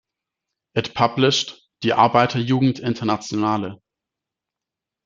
It published "Die Arbeiter-Jugend-Internationale".